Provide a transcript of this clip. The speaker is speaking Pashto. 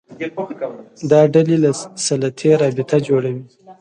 دا ډلې له سلطې رابطه جوړوي